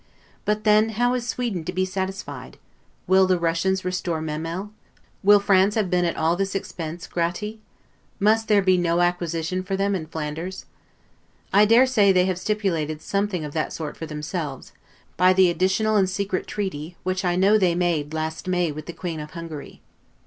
But then how is Sweden to be satisfied? Will the Russians restore Memel? Will France have been at all this expense 'gratis'? Must there be no acquisition for them in Flanders? I dare say they have stipulated something of that sort for themselves, by the additional and secret treaty, which I know they made, last May, with the Queen of Hungary.